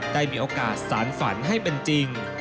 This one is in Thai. ได้มีโอกาสสารฝันให้เป็นจริง